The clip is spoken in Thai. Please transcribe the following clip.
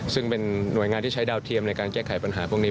ซึ่งเป็นหน่วยงานที่ใช้ดาวเทียมในการแก้ไขปัญหาพวกนี้